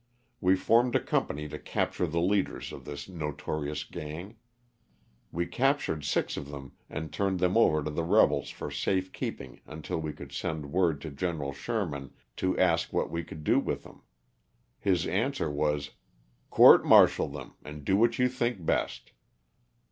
We formed a company to capture the leaders of this notorious gang. We cap tured six of them and turned them over to the rebels for safe keeping until we could send word to Gen. Sher man to ask what we could do with them. His answer was, "court martial them, and do what you think best."